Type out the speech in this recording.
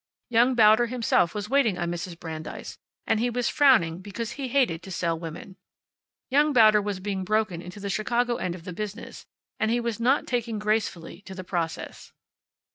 Young Bauder himself was waiting on Mrs. Brandeis, and he was frowning because he hated to sell women. Young Bauder was being broken into the Chicago end of the business, and he was not taking gracefully to the process.